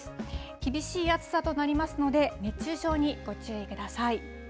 厳しい暑さとなりますので、熱中症にご注意ください。